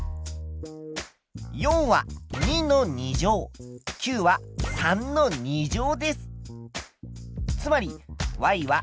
４は２の２乗９は３の２乗です。